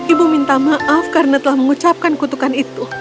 ibu minta maaf karena telah mengucapkan kutukan itu